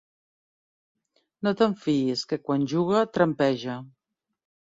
No te'n fiïs, que quan juga trampeja.